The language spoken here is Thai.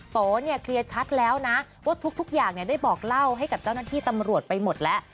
โตเนี่ยเคลียร์ชัดแล้วนะว่าทุกอย่างได้บอกเล่าให้กับเจ้าหน้าที่ตำรวจไปหมดแล้ว